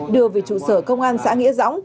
đưa về trụ sở công an xã nghĩa dõng